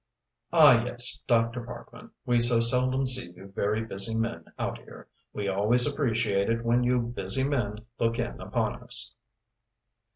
"Ah, yes, Dr. Parkman, we so seldom see you very busy men out here. We always appreciate it when you busy men look in upon us."